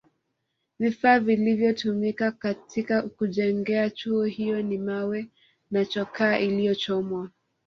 Vifaa vilivyotumika katika kujengea Chuo hicho ni mawe na chokaa iliyochomwa